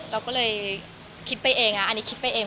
เราก็เลยคิดไปเองอันนี้คิดไปเอง